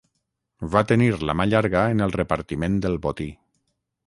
Va tenir la mà llarga en el repartiment del botí.